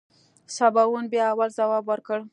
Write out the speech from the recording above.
سباوون بيا اول ځواب ورکړ.